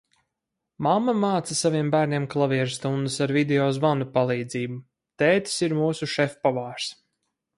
Mamma māca saviem bērniem klavieru stundas ar video zvanu palīdzību. Tētis ir mūsu šefpavārs.